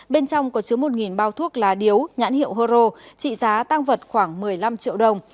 bên trong có chứa một bao thuốc lá điếu nhãn hiệu horo trị giá tăng vật khoảng một mươi năm triệu đồng